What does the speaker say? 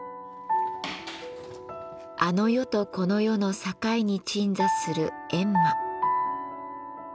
あの世とこの世の境に鎮座する閻魔。